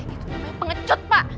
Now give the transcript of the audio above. itu adalah pengecut pak